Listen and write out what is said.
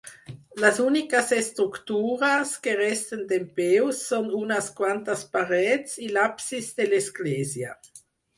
Les úniques estructures que resten dempeus són unes quantes parets i l'absis de l'església.